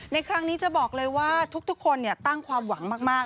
ในครั้งนี้จะบอกเลยว่าทุกคนตั้งความหวังมาก